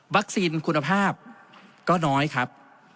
วัคซีนคุณภาพก็น้อยครับ